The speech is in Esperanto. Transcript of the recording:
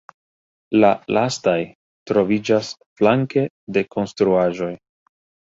La lastaj troviĝas flanke de konstruaĵoj.